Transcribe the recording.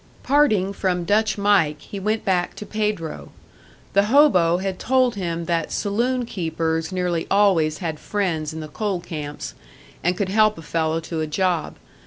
Parting from "Dutch Mike," he went back to Pedro. The hobo had told him that saloon keepers nearly always had friends in the coal camps, and could help a fellow to a job.